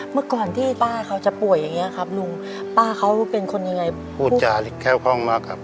เมื่อก่อนที่ป้าเขาจะป่วยอย่างเงี้ยครับลุงป้าเขาเป็นคนยังไงพูดจาแค่คล่องมากครับ